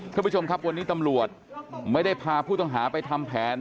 ท่านผู้ชมครับวันนี้ตำรวจไม่ได้พาผู้ต้องหาไปทำแผน